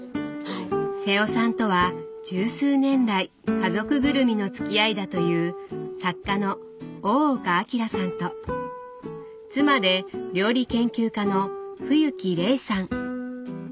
瀬尾さんとは十数年来家族ぐるみのつきあいだという作家の大岡玲さんと妻で料理研究家の冬木れいさん。